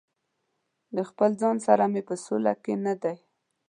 د خپل ځان سره هم په سوله کې نه دي.